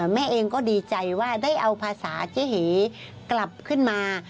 แม่เองก็ดีใจว่าได้เอาภาษาเจ๊เหกลับขึ้นมา